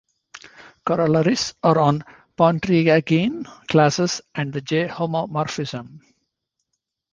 Corollaries are on Pontryagin classes and the J-homomorphism.